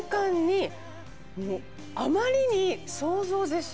あまりに。